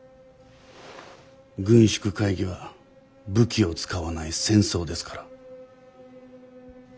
軍縮会議は武器を使わない戦争ですから。